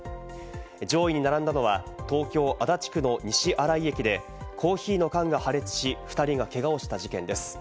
上位に並んだのは東京・足立区の西新井駅でコーヒーの缶が破裂し、２人がけがをした事件です。